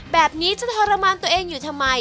แบบนี้จะทรมานตัวเองอยู่ทำไม